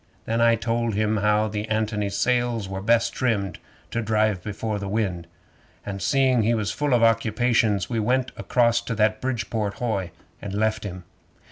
Then I told him how the ANTONY's sails was best trimmed to drive before the wind, and seeing he was full of occupations we went acrost to that Bridport hoy, and left him.